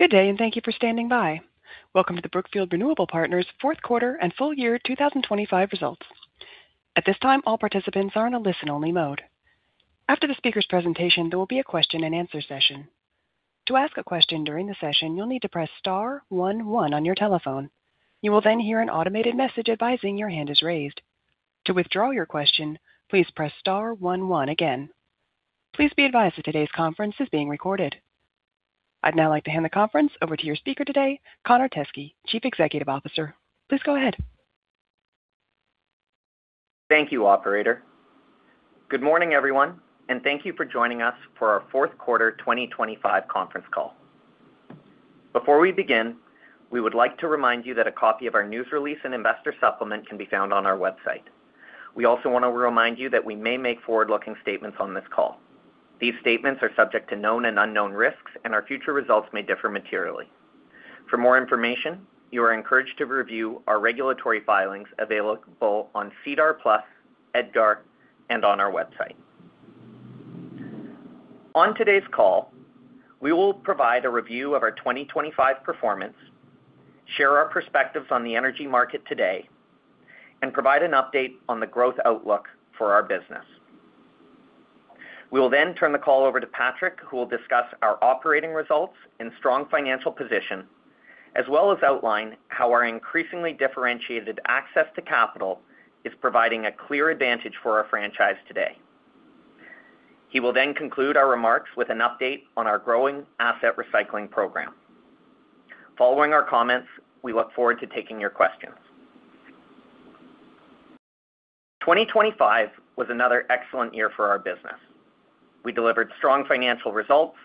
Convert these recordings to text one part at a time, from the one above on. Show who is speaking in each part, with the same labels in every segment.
Speaker 1: Good day, and thank you for standing by. Welcome to the Brookfield Renewable Partners' Fourth Quarter and Full Year 2025 Results. At this time, all participants are in a listen-only mode. After the speaker's presentation, there will be a question-and-answer session. To ask a question during the session, you'll need to press star one one on your telephone. You will then hear an automated message advising your hand is raised. To withdraw your question, please press star one one again. Please be advised that today's conference is being recorded. I'd now like to hand the conference over to your speaker today, Connor Teskey, Chief Executive Officer. Please go ahead.
Speaker 2: Thank you, operator. Good morning, everyone, and thank you for joining us for our fourth quarter 2025 conference call. Before we begin, we would like to remind you that a copy of our news release and investor supplement can be found on our website. We also want to remind you that we may make forward-looking statements on this call. These statements are subject to known and unknown risks, and our future results may differ materially. For more information, you are encouraged to review our regulatory filings available on SEDAR+, EDGAR, and on our website. On today's call, we will provide a review of our 2025 performance, share our perspectives on the energy market today, and provide an update on the growth outlook for our business. We will then turn the call over to Patrick, who will discuss our operating results and strong financial position, as well as outline how our increasingly differentiated access to capital is providing a clear advantage for our franchise today. He will then conclude our remarks with an update on our growing asset recycling program. Following our comments, we look forward to taking your questions. 2025 was another excellent year for our business. We delivered strong financial results,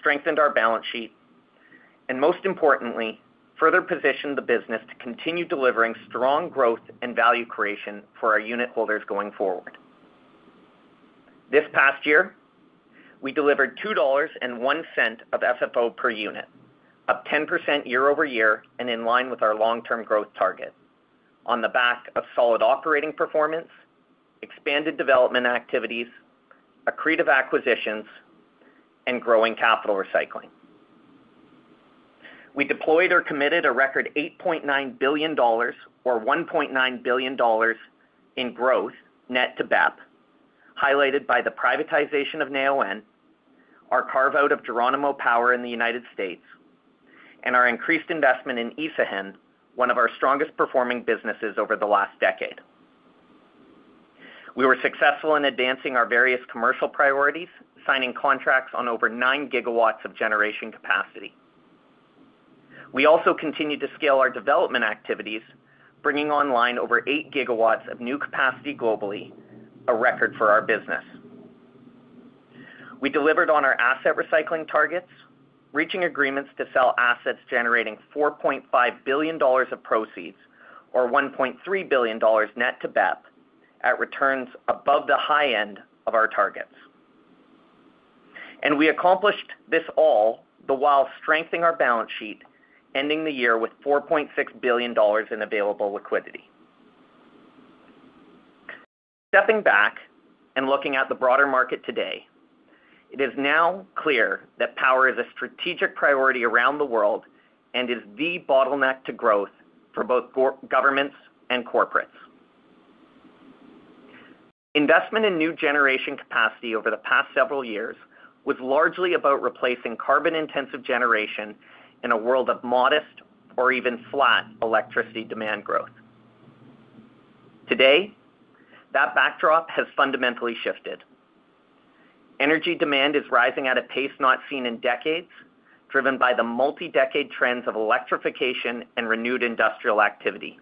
Speaker 2: strengthened our balance sheet, and most importantly, further positioned the business to continue delivering strong growth and value creation for our unit holders going forward. This past year, we delivered $2.01 of FFO per unit, up 10% year-over-year and in line with our long-term growth target. On the back of solid operating performance, expanded development activities, accretive acquisitions, and growing capital recycling. We deployed or committed a record $8.9 billion or $1.9 billion in growth net to BEP, highlighted by the privatization of Neoen, our carve-out of Geronimo Power in the United States, and our increased investment in Isagen, one of our strongest performing businesses over the last decade. We were successful in advancing our various commercial priorities, signing contracts on over 9 GW of generation capacity. We also continued to scale our development activities, bringing online over 8 GW of new capacity globally, a record for our business. We delivered on our asset recycling targets, reaching agreements to sell assets generating $4.5 billion of proceeds, or $1.3 billion net to BEP, at returns above the high end of our targets. And we accomplished this all the while strengthening our balance sheet, ending the year with $4.6 billion in available liquidity. Stepping back and looking at the broader market today, it is now clear that power is a strategic priority around the world and is the bottleneck to growth for both governments and corporates. Investment in new generation capacity over the past several years was largely about replacing carbon-intensive generation in a world of modest or even flat electricity demand growth. Today, that backdrop has fundamentally shifted. Energy demand is rising at a pace not seen in decades, driven by the multi-decade trends of electrification and renewed industrial activity.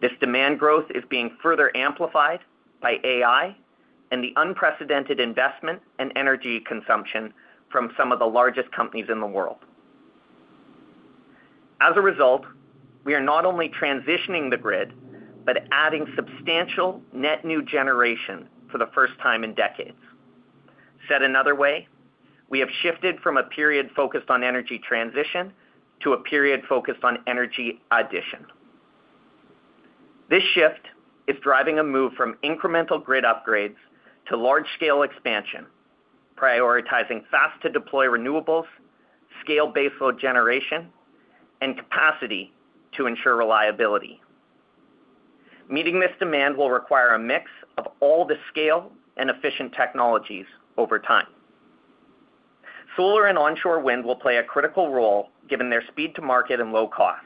Speaker 2: This demand growth is being further amplified by AI and the unprecedented investment and energy consumption from some of the largest companies in the world. As a result, we are not only transitioning the grid, but adding substantial net new generation for the first time in decades. Said another way, we have shifted from a period focused on energy transition to a period focused on energy addition. This shift is driving a move from incremental grid upgrades to large-scale expansion, prioritizing fast-to-deploy renewables, scale baseload generation, and capacity to ensure reliability. Meeting this demand will require a mix of all the scale and efficient technologies over time. Solar and onshore wind will play a critical role, given their speed to market and low cost.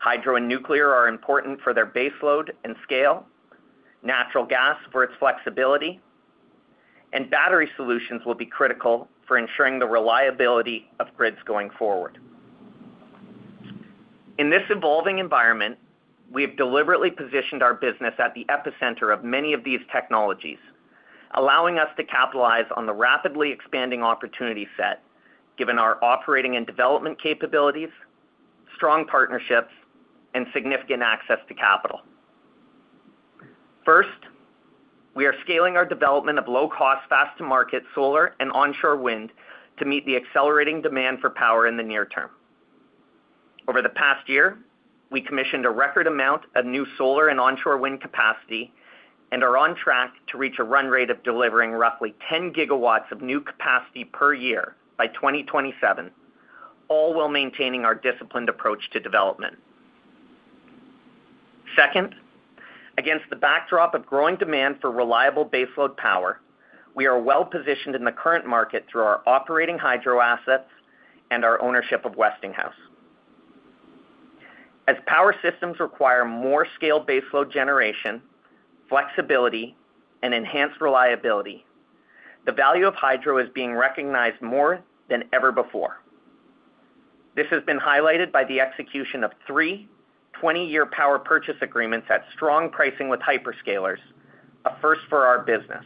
Speaker 2: Hydro and nuclear are important for their baseload and scale, natural gas for its flexibility, and battery solutions will be critical for ensuring the reliability of grids going forward. In this evolving environment, we have deliberately positioned our business at the epicenter of many of these technologies, allowing us to capitalize on the rapidly expanding opportunity set, given our operating and development capabilities, strong partnerships, and significant access to capital. First, we are scaling our development of low-cost, fast-to-market solar and onshore wind to meet the accelerating demand for power in the near term.... Over the past year, we commissioned a record amount of new solar and onshore wind capacity and are on track to reach a run rate of delivering roughly 10 GW of new capacity per year by 2027, all while maintaining our disciplined approach to development. Second, against the backdrop of growing demand for reliable baseload power, we are well-positioned in the current market through our operating hydro assets and our ownership of Westinghouse. As power systems require more scaled baseload generation, flexibility, and enhanced reliability, the value of hydro is being recognized more than ever before. This has been highlighted by the execution of three 20-year power purchase agreements at strong pricing with hyperscalers, a first for our business,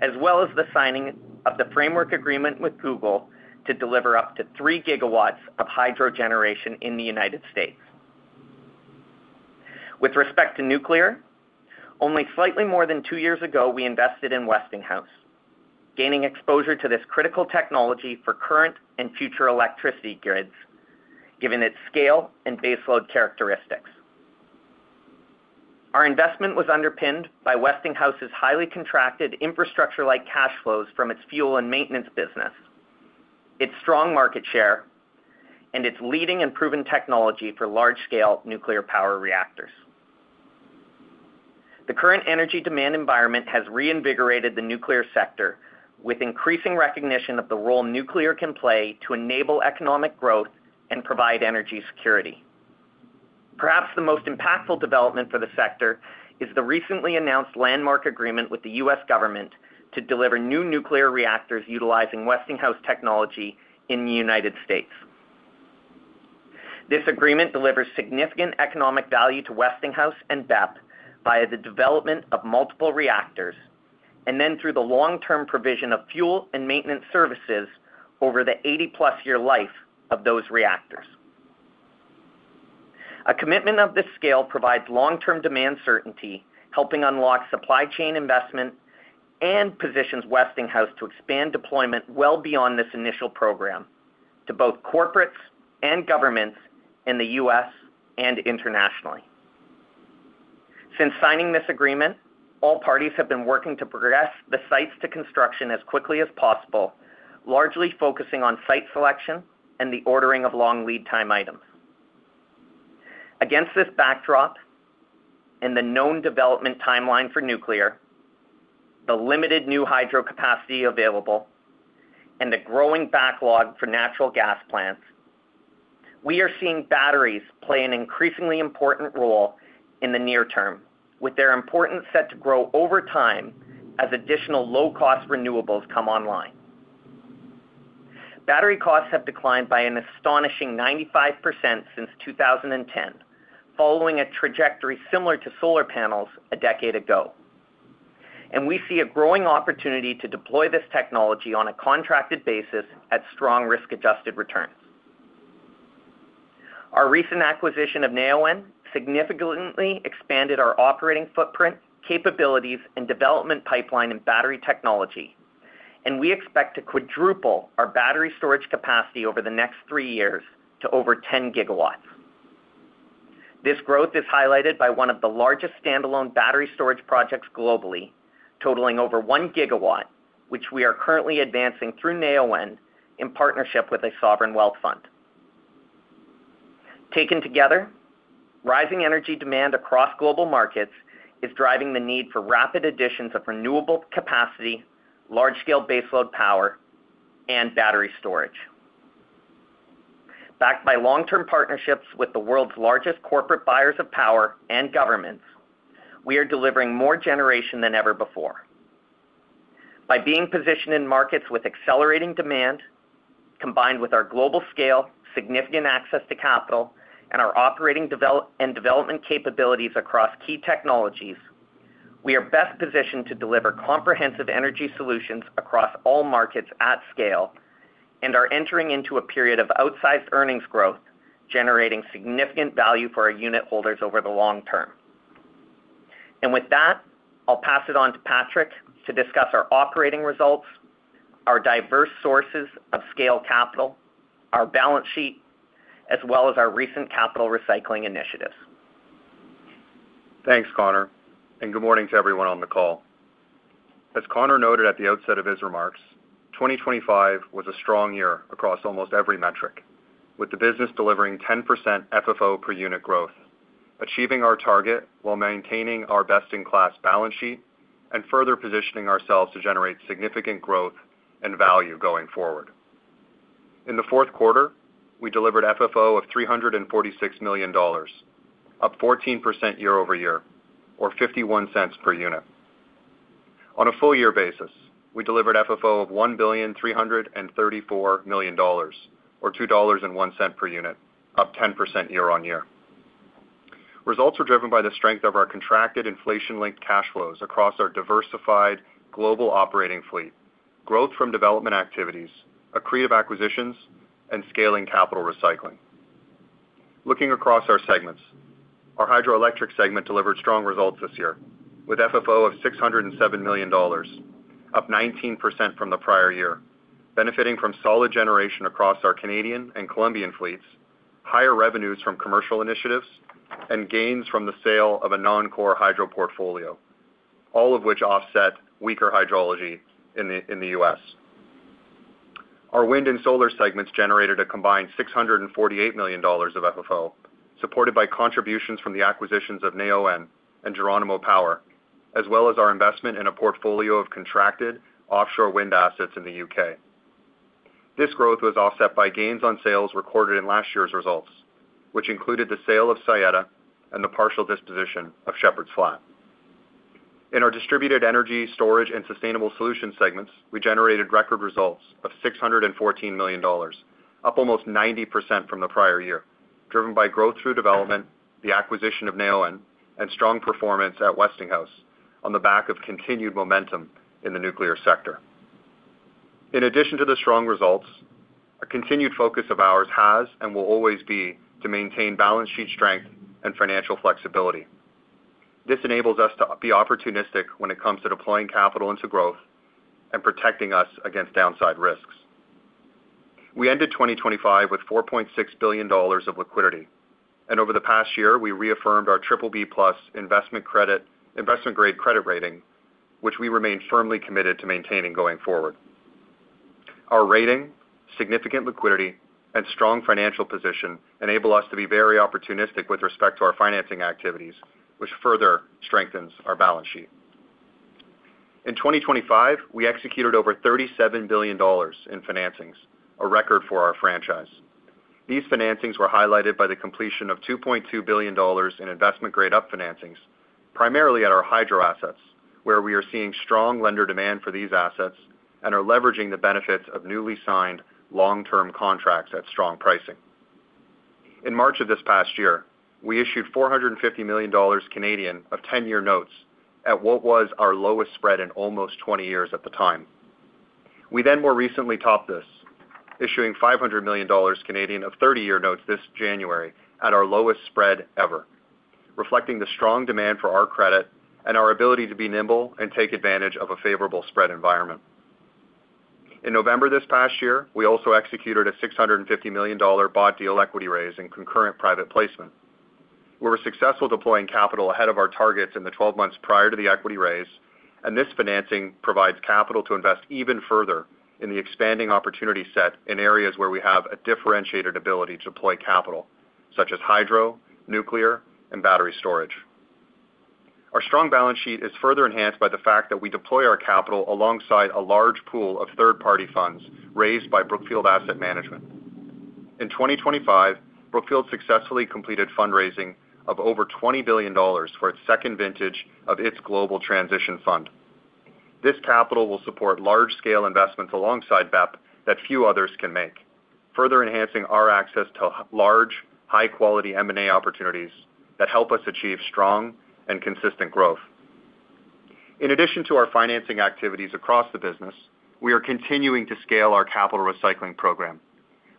Speaker 2: as well as the signing of the framework agreement with Google to deliver up to 3 GW of hydro generation in the United States. With respect to nuclear, only slightly more than two years ago, we invested in Westinghouse, gaining exposure to this critical technology for current and future electricity grids, given its scale and baseload characteristics. Our investment was underpinned by Westinghouse's highly contracted infrastructure-like cash flows from its fuel and maintenance business, its strong market share, and its leading and proven technology for large-scale nuclear power reactors. The current energy demand environment has reinvigorated the nuclear sector, with increasing recognition of the role nuclear can play to enable economic growth and provide energy security. Perhaps the most impactful development for the sector is the recently announced landmark agreement with the U.S. government to deliver new nuclear reactors utilizing Westinghouse technology in the United States. This agreement delivers significant economic value to Westinghouse and BEP via the development of multiple reactors, and then through the long-term provision of fuel and maintenance services over the 80+-year life of those reactors. A commitment of this scale provides long-term demand certainty, helping unlock supply chain investment, and positions Westinghouse to expand deployment well beyond this initial program to both corporates and governments in the U.S. and internationally. Since signing this agreement, all parties have been working to progress the sites to construction as quickly as possible, largely focusing on site selection and the ordering of long lead time items. Against this backdrop and the known development timeline for nuclear, the limited new hydro capacity available, and the growing backlog for natural gas plants, we are seeing batteries play an increasingly important role in the near term, with their importance set to grow over time as additional low-cost renewables come online. Battery costs have declined by an astonishing 95% since 2010, following a trajectory similar to solar panels a decade ago. We see a growing opportunity to deploy this technology on a contracted basis at strong risk-adjusted returns. Our recent acquisition of Neoen significantly expanded our operating footprint, capabilities, and development pipeline in battery technology, and we expect to quadruple our battery storage capacity over the next three years to over 10 GW. This growth is highlighted by one of the largest standalone battery storage projects globally, totaling over one gigawatt, which we are currently advancing through Neoen in partnership with a sovereign wealth fund. Taken together, rising energy demand across global markets is driving the need for rapid additions of renewable capacity, large-scale baseload power, and battery storage. Backed by long-term partnerships with the world's largest corporate buyers of power and governments, we are delivering more generation than ever before. By being positioned in markets with accelerating demand, combined with our global scale, significant access to capital, and our operating and development capabilities across key technologies, we are best positioned to deliver comprehensive energy solutions across all markets at scale and are entering into a period of outsized earnings growth, generating significant value for our unitholders over the long term. And with that, I'll pass it on to Patrick to discuss our operating results, our diverse sources of scale capital, our balance sheet, as well as our recent capital recycling initiatives.
Speaker 3: Thanks, Connor, and good morning to everyone on the call. As Connor noted at the outset of his remarks, 2025 was a strong year across almost every metric, with the business delivering 10% FFO per unit growth, achieving our target while maintaining our best-in-class balance sheet and further positioning ourselves to generate significant growth and value going forward. In the fourth quarter, we delivered FFO of $346 million, up 14% year-over-year, or $0.51 per unit. On a full year basis, we delivered FFO of $1,334 million, or $2.01 per unit, up 10% year-over-year. Results are driven by the strength of our contracted inflation-linked cash flows across our diversified global operating fleet, growth from development activities, accretive acquisitions, and scaling capital recycling. Looking across our segments-... Our hydroelectric segment delivered strong results this year, with FFO of $607 million, up 19% from the prior year, benefiting from solid generation across our Canadian and Colombian fleets, higher revenues from commercial initiatives, and gains from the sale of a non-core hydro portfolio, all of which offset weaker hydrology in the U.S. Our wind and solar segments generated a combined $648 million of FFO, supported by contributions from the acquisitions of Neoen and Geronimo Power, as well as our investment in a portfolio of contracted offshore wind assets in the U.K. This growth was offset by gains on sales recorded in last year's results, which included the sale of Saeta and the partial disposition of Shepherds Flat. In our distributed energy storage and sustainable solution segments, we generated record results of $614 million, up almost 90% from the prior year, driven by growth through development, the acquisition of Neoen, and strong performance at Westinghouse on the back of continued momentum in the nuclear sector. In addition to the strong results, a continued focus of ours has and will always be to maintain balance sheet strength and financial flexibility. This enables us to be opportunistic when it comes to deploying capital into growth and protecting us against downside risks. We ended 2025 with $4.6 billion of liquidity, and over the past year, we reaffirmed our BBB+ investment-grade credit rating, which we remain firmly committed to maintaining going forward. Our rating, significant liquidity, and strong financial position enable us to be very opportunistic with respect to our financing activities, which further strengthens our balance sheet. In 2025, we executed over $37 billion in financings, a record for our franchise. These financings were highlighted by the completion of $2.2 billion in investment-grade up-financings, primarily at our hydro assets, where we are seeing strong lender demand for these assets and are leveraging the benefits of newly signed long-term contracts at strong pricing. In March of this past year, we issued 450 million Canadian dollars of 10-year notes at what was our lowest spread in almost 20 years at the time. We then more recently topped this, issuing 500 million Canadian dollars of 30-year notes this January at our lowest spread ever, reflecting the strong demand for our credit and our ability to be nimble and take advantage of a favorable spread environment. In November this past year, we also executed a $650 million bought deal equity raise and concurrent private placement. We were successful deploying capital ahead of our targets in the 12 months prior to the equity raise, and this financing provides capital to invest even further in the expanding opportunity set in areas where we have a differentiated ability to deploy capital, such as hydro, nuclear, and battery storage. Our strong balance sheet is further enhanced by the fact that we deploy our capital alongside a large pool of third-party funds raised by Brookfield Asset Management. In 2025, Brookfield successfully completed fundraising of over $20 billion for its second vintage of its Global Transition Fund. This capital will support large-scale investments alongside BEP that few others can make, further enhancing our access to large, high-quality M&A opportunities that help us achieve strong and consistent growth. In addition to our financing activities across the business, we are continuing to scale our capital recycling program,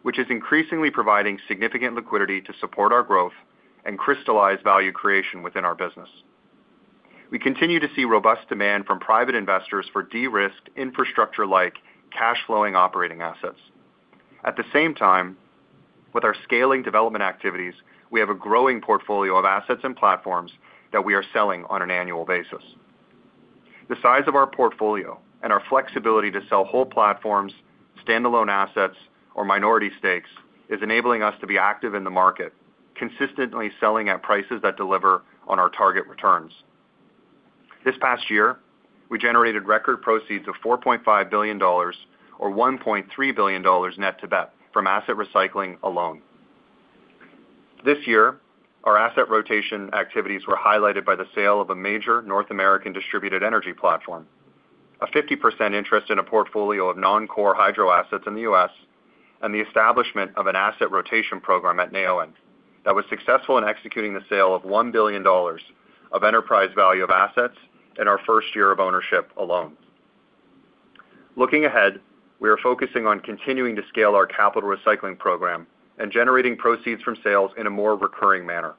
Speaker 3: which is increasingly providing significant liquidity to support our growth and crystallize value creation within our business. We continue to see robust demand from private investors for de-risked, infrastructure-like, cash-flowing, operating assets. At the same time, with our scaling development activities, we have a growing portfolio of assets and platforms that we are selling on an annual basis. The size of our portfolio and our flexibility to sell whole platforms, standalone assets, or minority stakes, is enabling us to be active in the market, consistently selling at prices that deliver on our target returns. This past year, we generated record proceeds of $4.5 billion or $1.3 billion net to BEP from asset recycling alone. This year, our asset rotation activities were highlighted by the sale of a major North American distributed energy platform, a 50% interest in a portfolio of non-core hydro assets in the U.S., and the establishment of an asset rotation program at Neoen that was successful in executing the sale of $1 billion of enterprise value of assets in our first year of ownership alone. Looking ahead, we are focusing on continuing to scale our capital recycling program and generating proceeds from sales in a more recurring manner.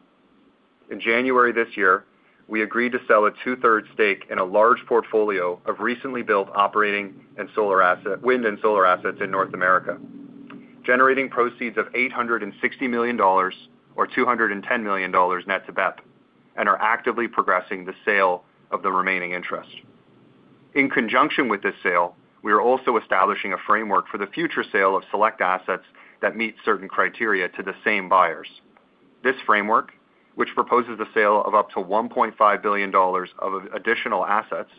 Speaker 3: In January this year, we agreed to sell a two-thirds stake in a large portfolio of recently built operating wind and solar assets in North America, generating proceeds of $860 million or $210 million net to BEP, and are actively progressing the sale of the remaining interest. In conjunction with this sale, we are also establishing a framework for the future sale of select assets that meet certain criteria to the same buyers. This framework, which proposes the sale of up to $1.5 billion of additional assets,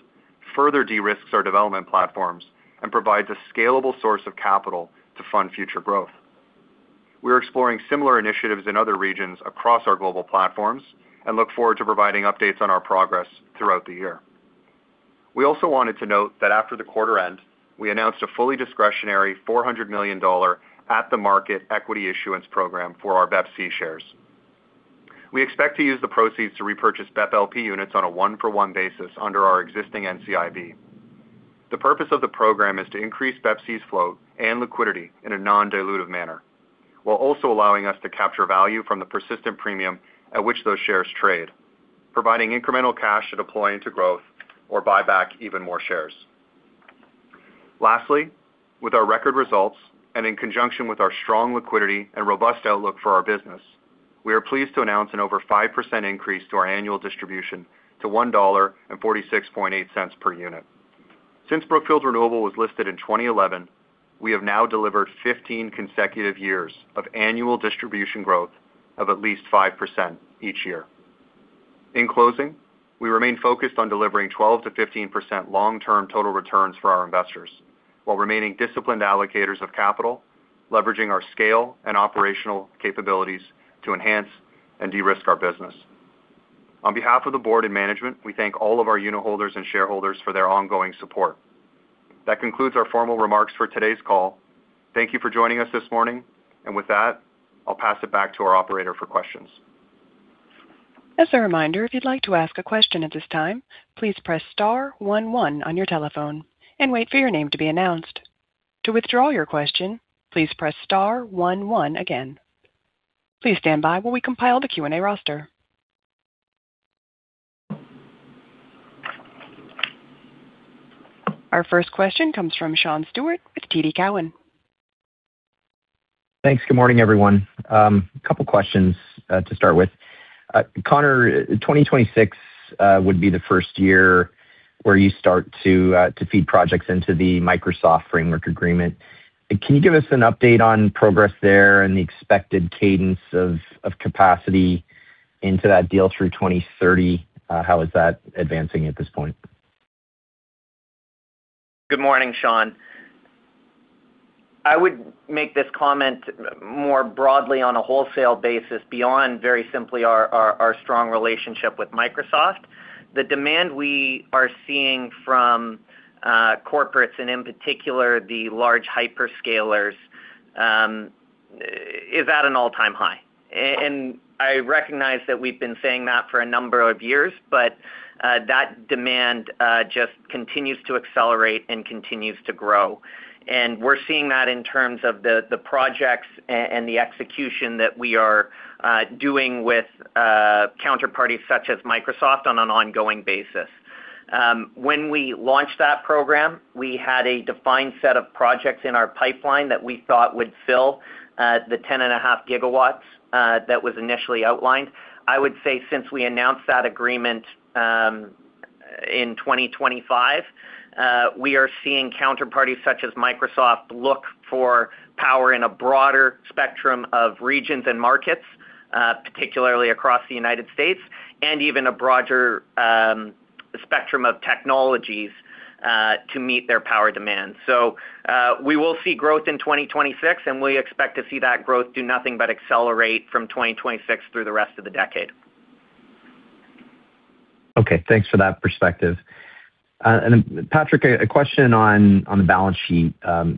Speaker 3: further de-risks our development platforms and provides a scalable source of capital to fund future growth. We're exploring similar initiatives in other regions across our global platforms and look forward to providing updates on our progress throughout the year. We also wanted to note that after the quarter end, we announced a fully discretionary $400 million at-the-market equity issuance program for our BEPC shares. We expect to use the proceeds to repurchase BEP LP units on a one-for-one basis under our existing NCIB. The purpose of the program is to increase BEPC's FFO and liquidity in a non-dilutive manner, while also allowing us to capture value from the persistent premium at which those shares trade, providing incremental cash to deploy into growth or buy back even more shares. Lastly, with our record results and in conjunction with our strong liquidity and robust outlook for our business, we are pleased to announce an over 5% increase to our annual distribution to $1.468 per unit. Since Brookfield Renewable was listed in 2011, we have now delivered 15 consecutive years of annual distribution growth of at least 5% each year. In closing, we remain focused on delivering 12%-15% long-term total returns for our investors, while remaining disciplined allocators of capital, leveraging our scale and operational capabilities to enhance and de-risk our business. On behalf of the board and management, we thank all of our unitholders and shareholders for their ongoing support. That concludes our formal remarks for today's call. Thank you for joining us this morning, and with that, I'll pass it back to our operator for questions.
Speaker 1: As a reminder, if you'd like to ask a question at this time, please press star one one on your telephone and wait for your name to be announced. To withdraw your question, please press star one one again. Please stand by while we compile the Q&A roster. Our first question comes from Sean Steuart with TD Cowen.
Speaker 4: Thanks. Good morning, everyone. A couple questions to start with. Connor, 2026 would be the first year where you start to feed projects into the Microsoft Framework Agreement. Can you give us an update on progress there and the expected cadence of capacity into that deal through 2030? How is that advancing at this point?
Speaker 2: Good morning, Sean. I would make this comment more broadly on a wholesale basis beyond very simply our strong relationship with Microsoft. The demand we are seeing from corporates, and in particular, the large hyperscalers, is at an all-time high. I recognize that we've been saying that for a number of years, but that demand just continues to accelerate and continues to grow. We're seeing that in terms of the projects and the execution that we are doing with counterparties such as Microsoft on an ongoing basis. When we launched that program, we had a defined set of projects in our pipeline that we thought would fill the 10.5 GW that was initially outlined. I would say since we announced that agreement, in 2025, we are seeing counterparties such as Microsoft look for power in a broader spectrum of regions and markets, particularly across the United States, and even a broader spectrum of technologies, to meet their power demands. So, we will see growth in 2026, and we expect to see that growth do nothing but accelerate from 2026 through the rest of the decade.
Speaker 4: Okay, thanks for that perspective. And Patrick, a question on the balance sheet.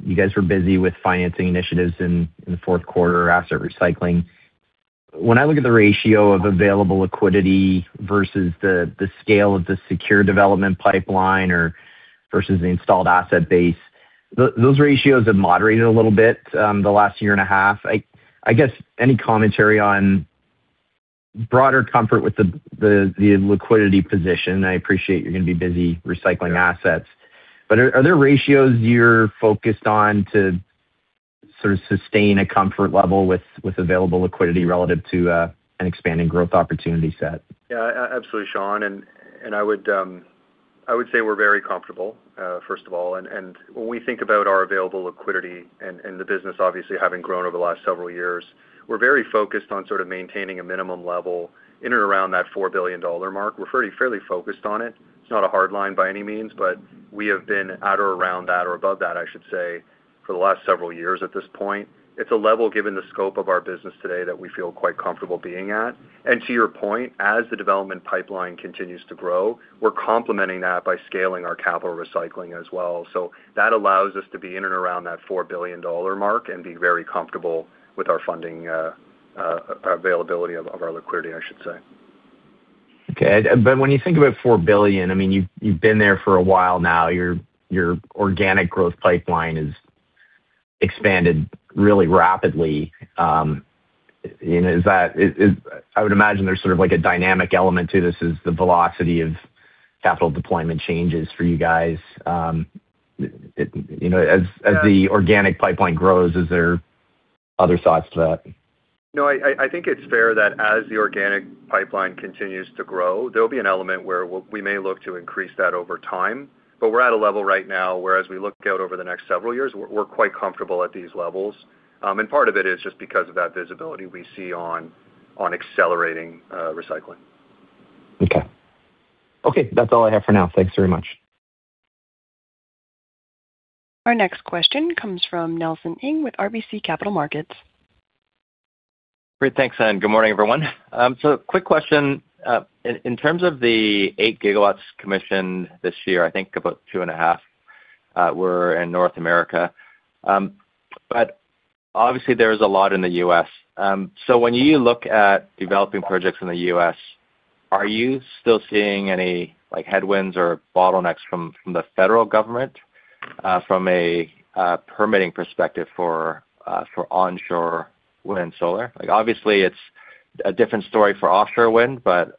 Speaker 4: You guys were busy with financing initiatives in the fourth quarter, asset recycling. When I look at the ratio of available liquidity versus the scale of the secure development pipeline or versus the installed asset base, those ratios have moderated a little bit the last year and a half. I guess any commentary on broader comfort with the liquidity position? I appreciate you're gonna be busy recycling assets, but are there ratios you're focused on to sort of sustain a comfort level with available liquidity relative to an expanding growth opportunity set?
Speaker 3: Yeah, absolutely, Sean. And I would say we're very comfortable, first of all. And when we think about our available liquidity and the business, obviously, having grown over the last several years, we're very focused on sort of maintaining a minimum level in and around that $4 billion mark. We're fairly, fairly focused on it. It's not a hard line by any means, but we have been at or around that, or above that, I should say, for the last several years at this point. It's a level, given the scope of our business today, that we feel quite comfortable being at. And to your point, as the development pipeline continues to grow, we're complementing that by scaling our capital recycling as well. That allows us to be in and around that $4 billion mark and be very comfortable with our funding, availability of our liquidity, I should say.
Speaker 4: Okay. But when you think about $4 billion, I mean, you've been there for a while now. Your organic growth pipeline has expanded really rapidly. You know, is that... I would imagine there's sort of like a dynamic element to this, is the velocity of capital deployment changes for you guys. You know, as-
Speaker 3: Yeah.
Speaker 4: As the organic pipeline grows, is there other thoughts to that?
Speaker 3: No, I think it's fair that as the organic pipeline continues to grow, there'll be an element where we may look to increase that over time. But we're at a level right now where as we look out over the next several years, we're quite comfortable at these levels. And part of it is just because of that visibility we see on accelerating recycling.
Speaker 4: Okay. Okay, that's all I have for now. Thanks very much.
Speaker 1: Our next question comes from Nelson Ng with RBC Capital Markets.
Speaker 5: Great. Thanks, and good morning, everyone. So quick question. In terms of the 8 GW commissioned this year, I think about 2.5 were in North America. But obviously, there is a lot in the U.S. So when you look at developing projects in the U.S., are you still seeing any, like, headwinds or bottlenecks from the federal government, from a permitting perspective for onshore wind and solar? Like, obviously, it's a different story for offshore wind, but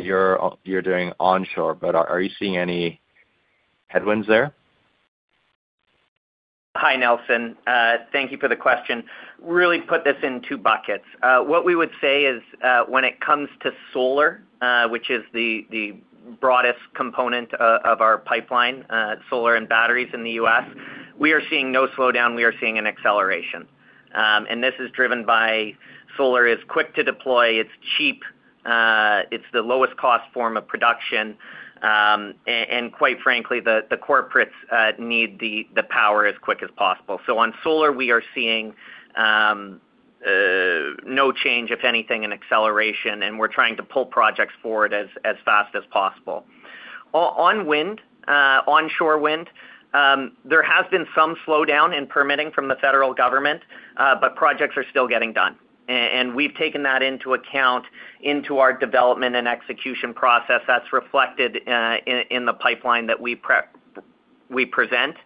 Speaker 5: you're doing onshore. But are you seeing any headwinds there?
Speaker 2: Hi, Nelson. Thank you for the question. Really put this in two buckets. What we would say is, when it comes to solar, which is the broadest component of our pipeline, solar and batteries in the U.S., we are seeing no slowdown. We are seeing an acceleration. And this is driven by solar is quick to deploy, it's cheap, it's the lowest cost form of production, and quite frankly, the corporates need the power as quick as possible. So on solar, we are seeing no change, if anything, an acceleration, and we're trying to pull projects forward as fast as possible. On wind, onshore wind, there has been some slowdown in permitting from the federal government, but projects are still getting done. And we've taken that into account into our development and execution process. That's reflected in the pipeline that we present.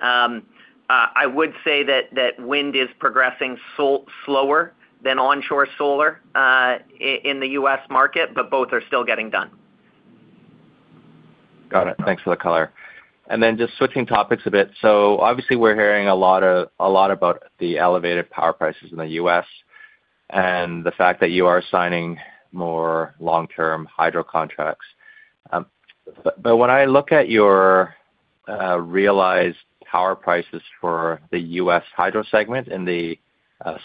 Speaker 2: I would say that wind is progressing slower than onshore solar in the U.S. market, but both are still getting done.
Speaker 5: Got it. Thanks for the color. And then just switching topics a bit. So obviously, we're hearing a lot about the elevated power prices in the U.S. and the fact that you are signing more long-term hydro contracts. But when I look at your realized power prices for the U.S. hydro segment in the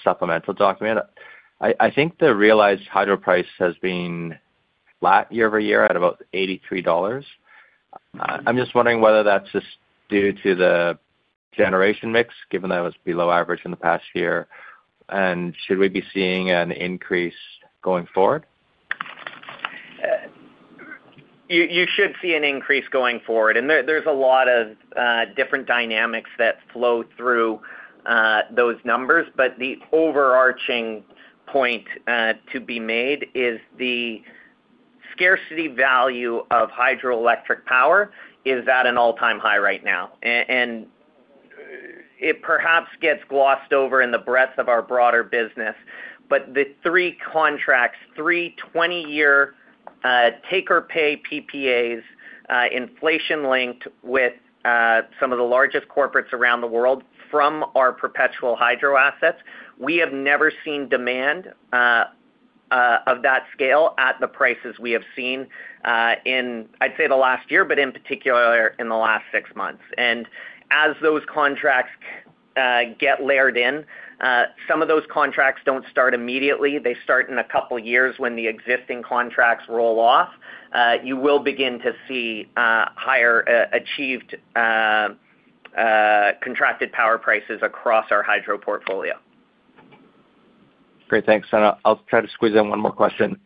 Speaker 5: supplemental document, I think the realized hydro price has been flat year-over-year at about $83. I'm just wondering whether that's just due to the generation mix, given that it was below average in the past year, and should we be seeing an increase going forward?
Speaker 2: You should see an increase going forward, and there, there's a lot of different dynamics that flow through those numbers. But the overarching point to be made is the scarcity value of hydroelectric power is at an all-time high right now. And it perhaps gets glossed over in the breadth of our broader business, but the three contracts, 3 20-year take-or-pay PPAs, inflation-linked with some of the largest corporates around the world from our perpetual hydro assets, we have never seen demand of that scale at the prices we have seen in, I'd say, the last year, but in particular, in the last six months. And as those contracts get layered in, some of those contracts don't start immediately. They start in a couple of years when the existing contracts roll off. You will begin to see higher contracted power prices across our hydro portfolio.
Speaker 5: Great, thanks. And I'll try to squeeze in one more question.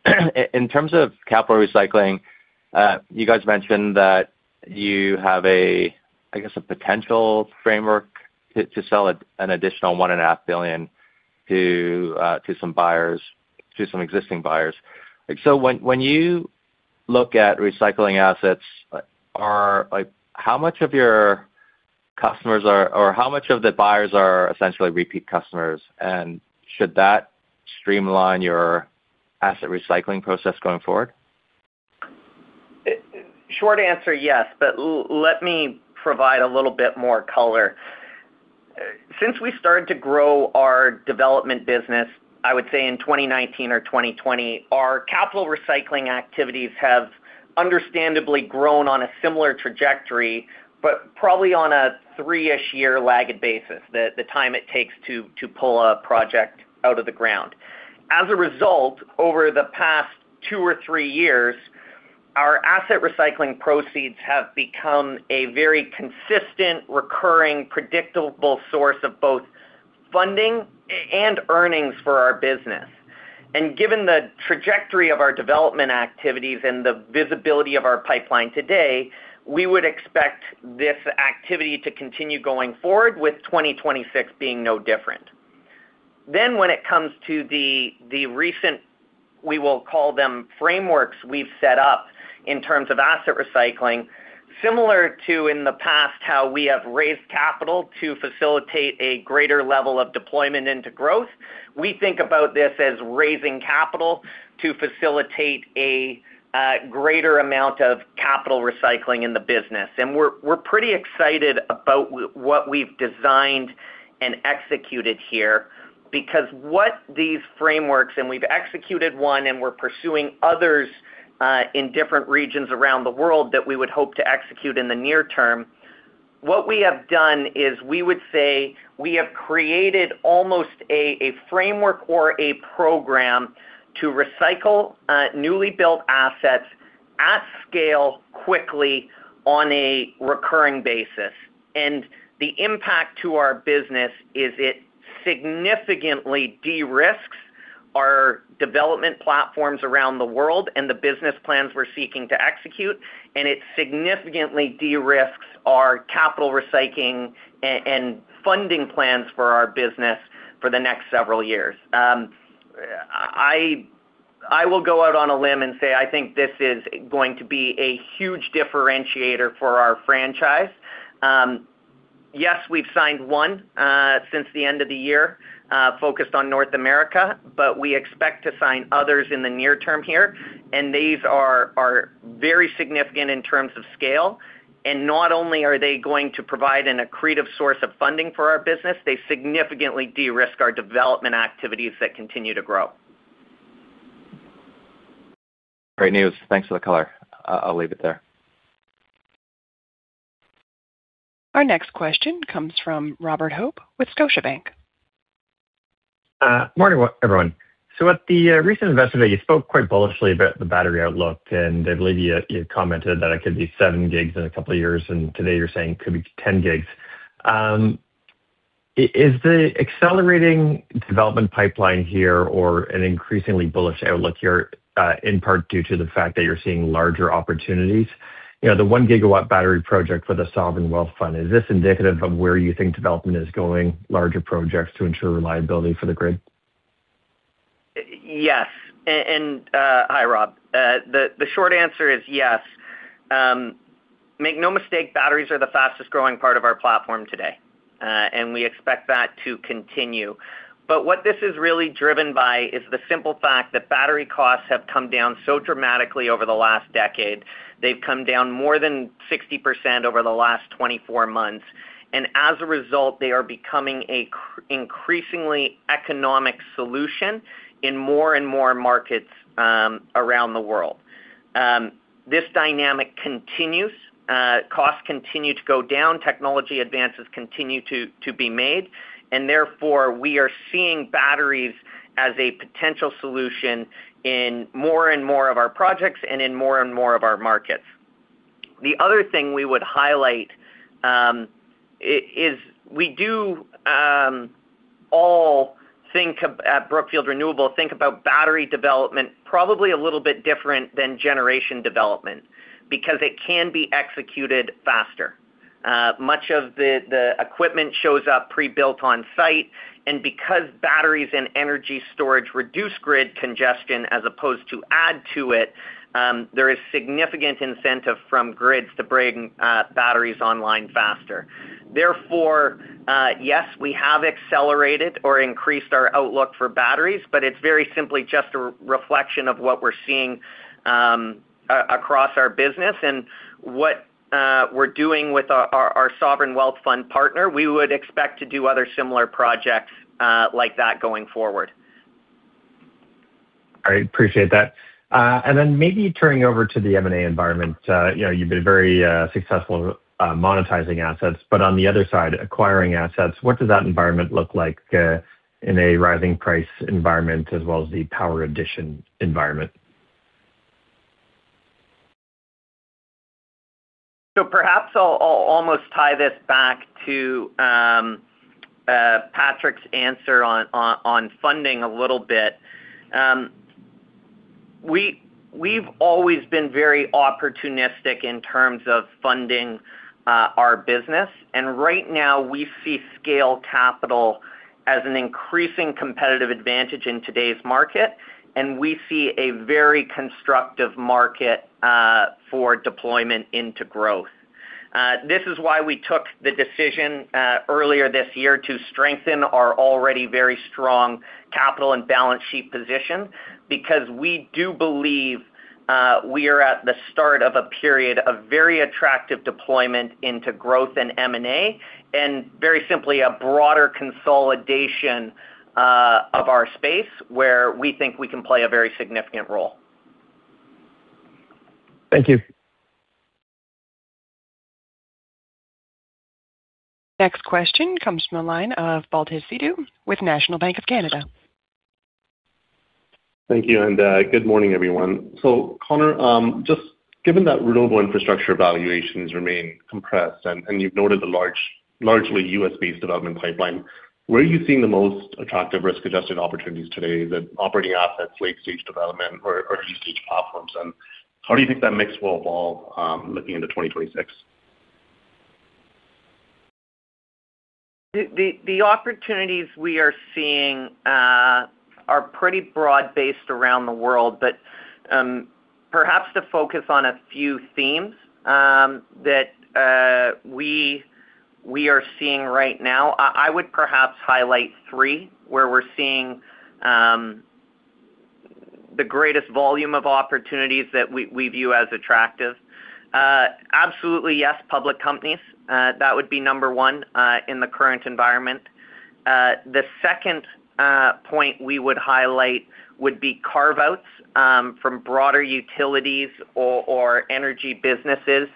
Speaker 5: In terms of capital recycling, you guys mentioned that you have a, I guess, a potential framework to sell an additional $1.5 billion to some buyers, to some existing buyers. So when you look at recycling assets, Like, how much of your customers are or how much of the buyers are essentially repeat customers, and should that streamline your asset recycling process going forward?
Speaker 2: Short answer, yes, but let me provide a little bit more color. Since we started to grow our development business, I would say in 2019 or 2020, our capital recycling activities have understandably grown on a similar trajectory, but probably on a three-ish year lagged basis, the time it takes to pull a project out of the ground. As a result, over the past two or three years, our asset recycling proceeds have become a very consistent, recurring, predictable source of both funding and earnings for our business. Given the trajectory of our development activities and the visibility of our pipeline today, we would expect this activity to continue going forward, with 2026 being no different. Then when it comes to the recent, we will call them frameworks we've set up in terms of asset recycling, similar to in the past how we have raised capital to facilitate a greater level of deployment into growth, we think about this as raising capital to facilitate a greater amount of capital recycling in the business. And we're pretty excited about what we've designed and executed here, because what these frameworks, and we've executed one, and we're pursuing others in different regions around the world that we would hope to execute in the near term. What we have done is we would say we have created almost a framework or a program to recycle newly built assets at scale quickly on a recurring basis. And the impact to our business is it significantly de-risks-... development platforms around the world and the business plans we're seeking to execute, and it significantly de-risks our capital recycling and funding plans for our business for the next several years. I will go out on a limb and say I think this is going to be a huge differentiator for our franchise. Yes, we've signed one since the end of the year, focused on North America, but we expect to sign others in the near term here, and these are very significant in terms of scale. And not only are they going to provide an accretive source of funding for our business, they significantly de-risk our development activities that continue to grow.
Speaker 5: Great news. Thanks for the color. I'll leave it there.
Speaker 1: Our next question comes from Robert Hope with Scotiabank.
Speaker 6: Morning, everyone. So at the recent investor day, you spoke quite bullishly about the battery outlook, and I believe you commented that it could be 7 GW in a couple of years, and today you're saying it could be 10 GW. Is the accelerating development pipeline here or an increasingly bullish outlook here in part due to the fact that you're seeing larger opportunities? You know, the 1 GW battery project for the sovereign wealth fund, is this indicative of where you think development is going, larger projects to ensure reliability for the grid?
Speaker 2: Yes, and hi, Rob. The short answer is yes. Make no mistake, batteries are the fastest growing part of our platform today, and we expect that to continue. But what this is really driven by is the simple fact that battery costs have come down so dramatically over the last decade. They've come down more than 60% over the last 24 months, and as a result, they are becoming increasingly economic solution in more and more markets around the world. This dynamic continues, costs continue to go down, technology advances continue to be made, and therefore, we are seeing batteries as a potential solution in more and more of our projects and in more and more of our markets. The other thing we would highlight is we do all think at Brookfield Renewable think about battery development, probably a little bit different than generation development, because it can be executed faster. Much of the equipment shows up pre-built on site, and because batteries and energy storage reduce grid congestion as opposed to add to it, there is significant incentive from grids to bring batteries online faster. Therefore, yes, we have accelerated or increased our outlook for batteries, but it's very simply just a reflection of what we're seeing across our business and what we're doing with our sovereign wealth fund partner. We would expect to do other similar projects like that going forward.
Speaker 6: All right, appreciate that. And then maybe turning over to the M&A environment, you know, you've been very successful monetizing assets, but on the other side, acquiring assets, what does that environment look like in a rising price environment as well as the power addition environment?
Speaker 2: So perhaps I'll almost tie this back to Patrick's answer on funding a little bit. We've always been very opportunistic in terms of funding our business, and right now, we see scale capital as an increasing competitive advantage in today's market, and we see a very constructive market for deployment into growth. This is why we took the decision earlier this year to strengthen our already very strong capital and balance sheet position, because we do believe we are at the start of a period of very attractive deployment into growth and M&A, and very simply, a broader consolidation of our space, where we think we can play a very significant role.
Speaker 6: Thank you.
Speaker 1: Next question comes from the line of Baltej Sidhu with National Bank of Canada.
Speaker 7: Thank you, and good morning, everyone. So, Connor, just given that renewable infrastructure valuations remain compressed, and you've noted the largely U.S.-based development pipeline, where are you seeing the most attractive risk-adjusted opportunities today, the operating assets, late-stage development or early-stage platforms? And how do you think that mix will evolve, looking into 2026?
Speaker 2: The opportunities we are seeing are pretty broad-based around the world, but perhaps to focus on a few themes that we are seeing right now, I would perhaps highlight three, where we're seeing the greatest volume of opportunities that we view as attractive. Absolutely, yes, public companies that would be number one in the current environment. The second point we would highlight would be carve-outs from broader utilities or energy businesses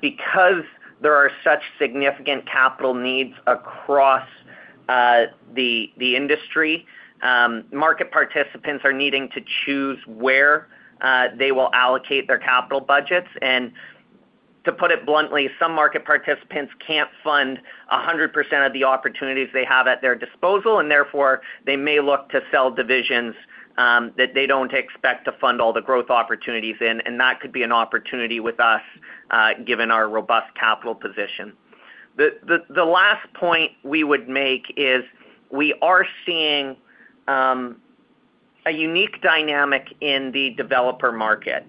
Speaker 2: because there are such significant capital needs across the industry. Market participants are needing to choose where they will allocate their capital budgets, and to put it bluntly, some market participants can't fund 100% of the opportunities they have at their disposal, and therefore, they may look to sell divisions that they don't expect to fund all the growth opportunities in, and that could be an opportunity with us, given our robust capital position. The last point we would make is we are seeing a unique dynamic in the developer market,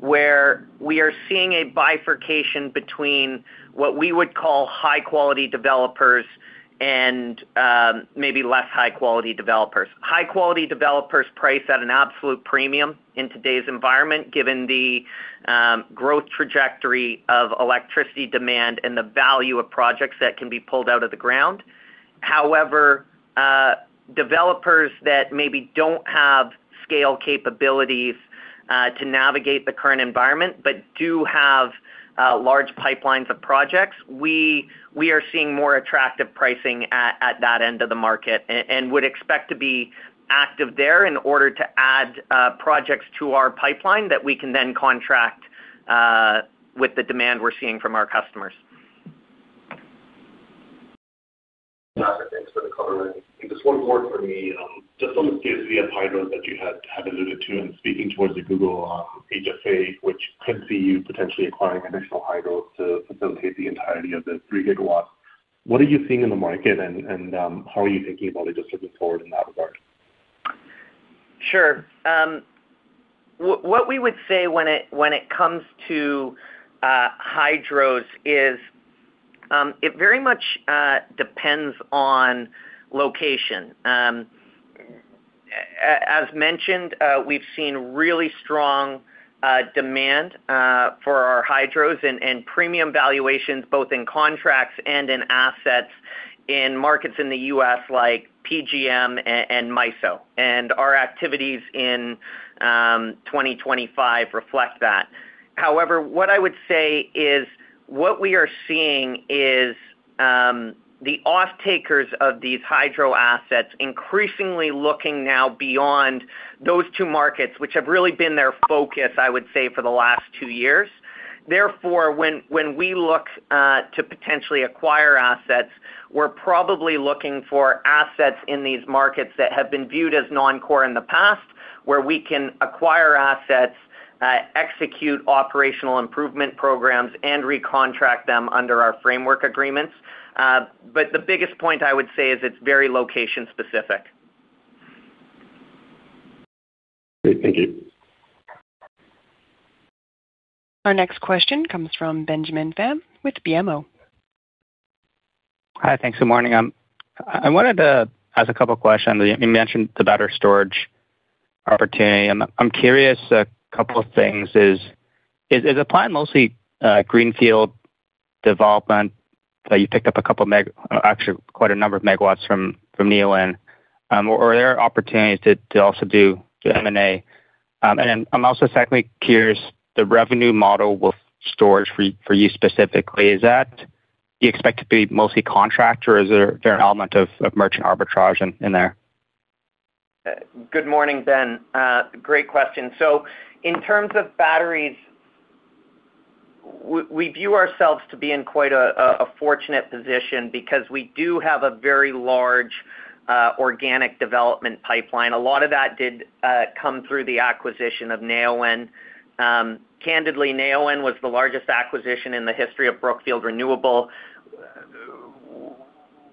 Speaker 2: where we are seeing a bifurcation between what we would call high-quality developers and maybe less high-quality developers. High-quality developers price at an absolute premium in today's environment, given the growth trajectory of electricity demand and the value of projects that can be pulled out of the ground. However, developers that maybe don't have scale capabilities to navigate the current environment but do have large pipelines of projects, we are seeing more attractive pricing at that end of the market and would expect to be active there in order to add projects to our pipeline that we can then contract with the demand we're seeing from our customers.
Speaker 7: Got it. Thanks for the color. And just one more for me, just on the scarcity of hydros that you had alluded to, and speaking towards the Google HFA, which could see you potentially acquiring additional hydros to facilitate the entirety of the 3 GW. What are you seeing in the market, and, how are you thinking about it just looking forward in that regard?
Speaker 2: Sure. What we would say when it comes to hydros is it very much depends on location. As mentioned, we've seen really strong demand for our hydros and premium valuations, both in contracts and in assets, in markets in the U.S., like PJM and MISO, and our activities in 2025 reflect that. However, what I would say is, what we are seeing is the offtakers of these hydro assets increasingly looking now beyond those two markets, which have really been their focus, I would say, for the last two years. Therefore, when we look to potentially acquire assets, we're probably looking for assets in these markets that have been viewed as non-core in the past, where we can acquire assets, execute operational improvement programs, and recontract them under our framework agreements. But the biggest point I would say is it's very location-specific.
Speaker 7: Great. Thank you.
Speaker 1: Our next question comes from Benjamin Pham with BMO.
Speaker 8: Hi. Thanks. Good morning. I wanted to ask a couple questions. You mentioned the battery storage opportunity, and I'm curious, a couple of things is, is the plan mostly greenfield development? So you picked up a couple actually, quite a number of megawatts from Neoen, or are there opportunities to also do M&A? And then I'm also secondly curious, the revenue model with storage for you specifically, is that... Do you expect to be mostly contract, or is there an element of merchant arbitrage in there?
Speaker 2: Good morning, Ben. Great question. So in terms of batteries, we view ourselves to be in quite a fortunate position because we do have a very large organic development pipeline. A lot of that did come through the acquisition of Neoen. Candidly, Neoen was the largest acquisition in the history of Brookfield Renewable.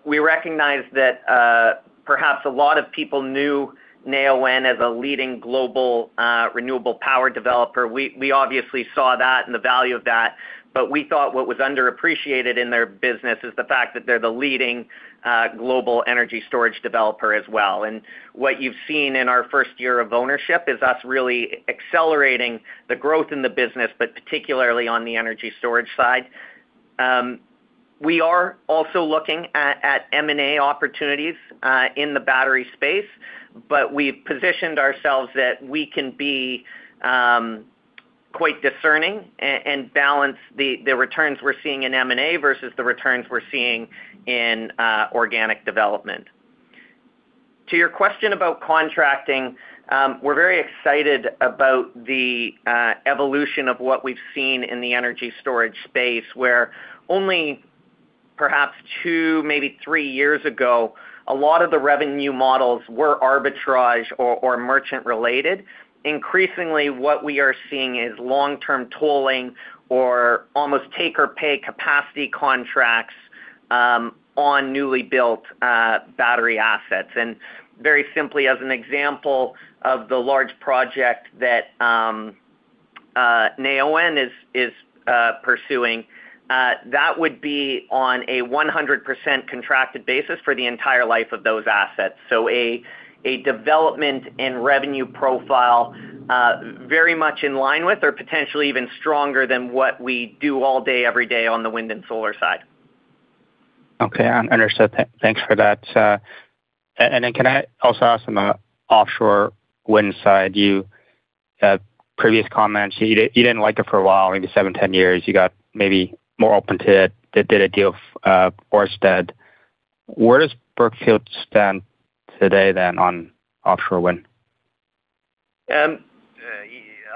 Speaker 2: We recognize that perhaps a lot of people knew Neoen as a leading global renewable power developer. We obviously saw that and the value of that, but we thought what was underappreciated in their business is the fact that they're the leading global energy storage developer as well. And what you've seen in our first year of ownership is us really accelerating the growth in the business, but particularly on the energy storage side. We are also looking at M&A opportunities in the battery space, but we've positioned ourselves that we can be quite discerning and balance the returns we're seeing in M&A versus the returns we're seeing in organic development. To your question about contracting, we're very excited about the evolution of what we've seen in the energy storage space, where only perhaps two, maybe three years ago, a lot of the revenue models were arbitrage or merchant-related. Increasingly, what we are seeing is long-term tolling or almost take-or-pay capacity contracts on newly built battery assets. And very simply, as an example of the large project that Neoen is pursuing, that would be on a 100% contracted basis for the entire life of those assets. So, a development and revenue profile, very much in line with or potentially even stronger than what we do all day, every day on the wind and solar side.
Speaker 8: Okay, understood. Thanks for that. And then can I also ask on the offshore wind side, your previous comments, you didn't like it for a while, maybe seven-10 years. You got maybe more open to it, then did a deal, Ørsted. Where does Brookfield stand today then on offshore wind?...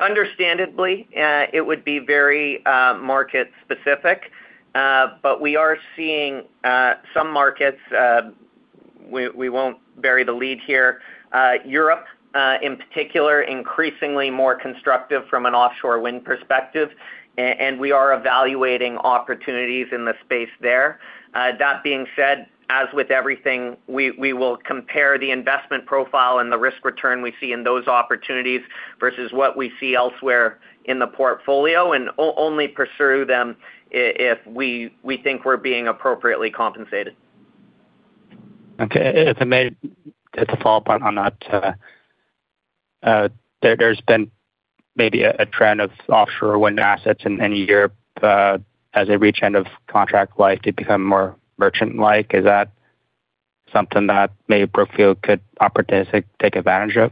Speaker 2: Understandably, it would be very market-specific. But we are seeing some markets, we won't bury the lead here. Europe, in particular, increasingly more constructive from an offshore wind perspective, and we are evaluating opportunities in the space there. That being said, as with everything, we will compare the investment profile and the risk return we see in those opportunities versus what we see elsewhere in the portfolio, and only pursue them if we think we're being appropriately compensated.
Speaker 8: Okay, if I may, just to follow-up on that, there's been maybe a trend of offshore wind assets in Europe, as they reach end of contract life, they become more merchant-like. Is that something that maybe Brookfield could opportunistically take advantage of?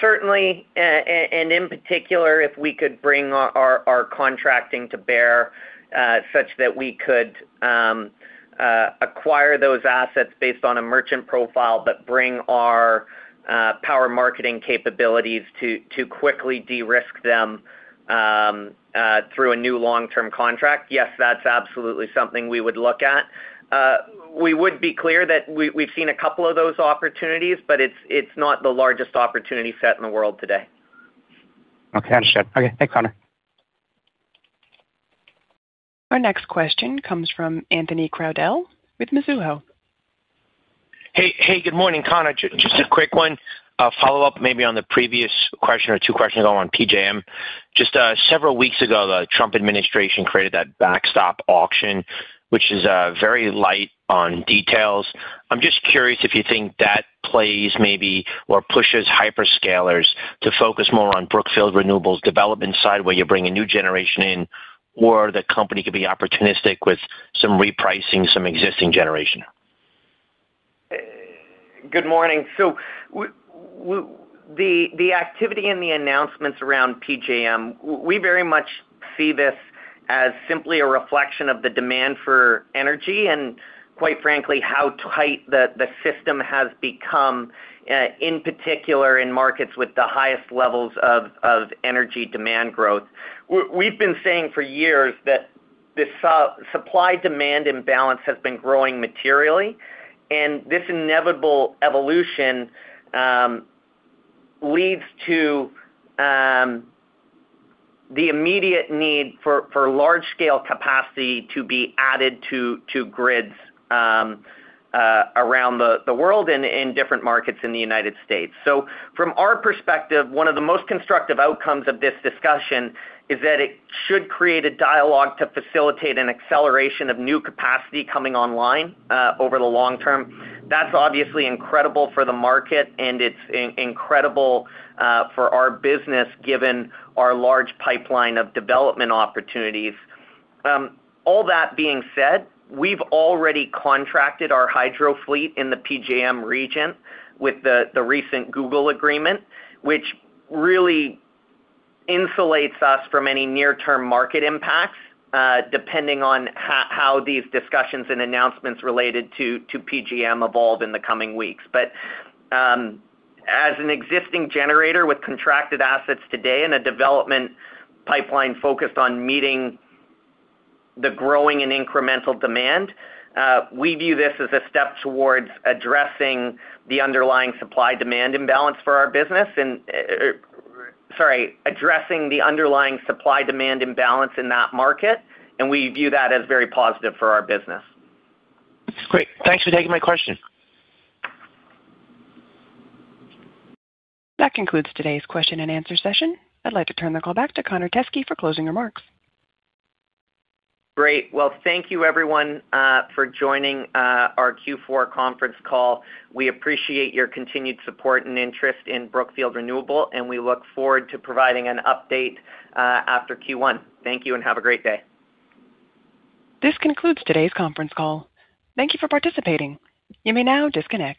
Speaker 2: Certainly, and in particular, if we could bring our contracting to bear, such that we could acquire those assets based on a merchant profile, but bring our power marketing capabilities to quickly de-risk them through a new long-term contract. Yes, that's absolutely something we would look at. We would be clear that we've seen a couple of those opportunities, but it's not the largest opportunity set in the world today.
Speaker 8: Okay, understood. Okay, thanks, Connor.
Speaker 1: Our next question comes from Anthony Crowdell with Mizuho.
Speaker 9: Hey, hey, good morning, Connor. Just a quick one, a follow-up maybe on the previous question or two questions all on PJM. Just, several weeks ago, the Trump administration created that backstop auction, which is very light on details. I'm just curious if you think that plays maybe or pushes hyperscalers to focus more on Brookfield Renewables development side, where you bring a new generation in, or the company could be opportunistic with some repricing, some existing generation?
Speaker 2: Good morning. So the activity and the announcements around PJM, we very much see this as simply a reflection of the demand for energy, and quite frankly, how tight the system has become, in particular in markets with the highest levels of energy demand growth. We've been saying for years that this supply-demand imbalance has been growing materially, and this inevitable evolution leads to the immediate need for large-scale capacity to be added to grids around the world and in different markets in the United States. So from our perspective, one of the most constructive outcomes of this discussion is that it should create a dialogue to facilitate an acceleration of new capacity coming online over the long term. That's obviously incredible for the market, and it's incredible for our business, given our large pipeline of development opportunities. All that being said, we've already contracted our hydro fleet in the PJM region with the recent Google agreement, which really insulates us from any near-term market impacts, depending on how these discussions and announcements related to PJM evolve in the coming weeks. But, as an existing generator with contracted assets today and a development pipeline focused on meeting the growing and incremental demand, we view this as a step towards addressing the underlying supply-demand imbalance for our business and, Sorry, addressing the underlying supply-demand imbalance in that market, and we view that as very positive for our business.
Speaker 9: Great. Thanks for taking my question.
Speaker 1: That concludes today's question-and-answer session. I'd like to turn the call back to Connor Teskey for closing remarks.
Speaker 2: Great. Well, thank you everyone, for joining, our Q4 conference call. We appreciate your continued support and interest in Brookfield Renewable, and we look forward to providing an update, after Q1. Thank you, and have a great day.
Speaker 1: This concludes today's conference call. Thank you for participating. You may now disconnect.